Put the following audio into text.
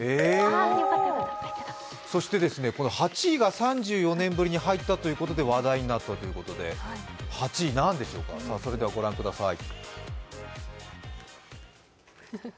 そして８位が３４年ぶりに入ったということで話題になって８位なんでしょうか、御覧ください。